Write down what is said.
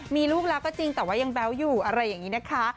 มีลูกแล้วก็จริงแต่ว่ายังแบ๊วอยู่อะไรอย่างนี้นะคะ